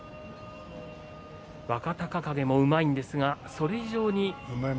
若隆景もうまいんですがそれ以上に。